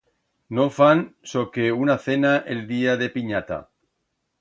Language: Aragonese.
No fan soque una cena el día de Pinyata.